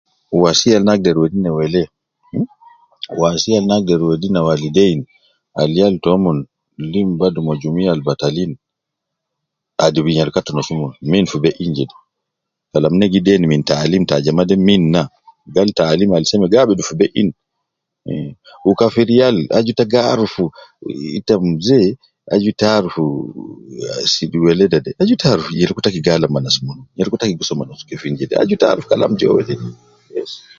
Wasiya al ne agder wedi na wele, wasiya al nagder wedi na walidein al yal toumon lim badu me jumia al batalin. adibu nyereka te nas umon min fi be ini jede, kalam ina gi deni min taalim ta ajama de min naa gal taalim al seme ga abidu min fi be ehh wu kafiri yal aju taarufu, te muze aju ta arufu sidu wilada de aju taarufu nyereku taki gi alab me nas munu nyereku taki gi so nas kefin jede, aju taarufu.